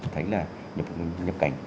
thấy là nhập cảnh